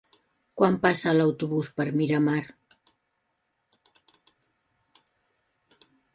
Quan passa l'autobús per Miramar?